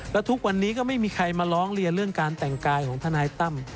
แล้วทุกวันนี้ก็ไม่มีใครมาร้องเรียนเรื่องการแต่งกายของทนายตั้ม